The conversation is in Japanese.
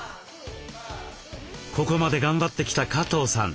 ここまで頑張ってきた加藤さん。